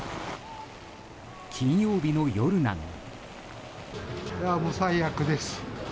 金曜日の夜なのに。